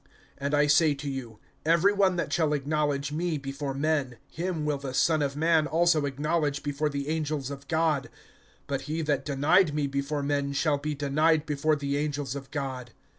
(8)And I say to you: Every one that shall acknowledge me before men, him will the Son of man also acknowledge before the angels of God; (9)but he that denied me before men shall be denied before the angels of God.